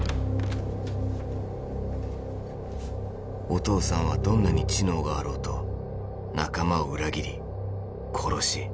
お父さんはどんなに知能があろうと仲間を裏切り殺し